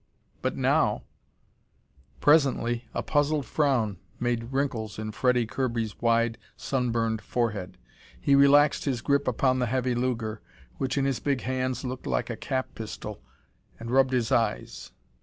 But now Presently a puzzled frown made wrinkles in Freddie Kirby's wide sunburned forehead. He relaxed his grip upon the heavy Luger, which, in his big hands, looked like a cap pistol, and rubbed his eyes.